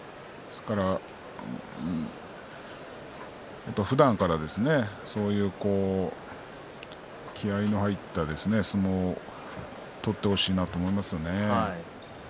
もっとふだんから気合いの入った相撲を取ってほしいなと思います。